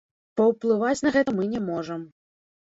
Паўплываць на гэта мы не можам.